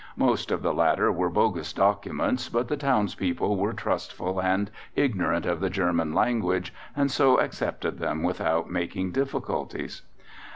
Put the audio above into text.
Most of the latter were bogus documents, but the townspeople were trustful and ignorant of the German language, and so accepted them without making difficulties.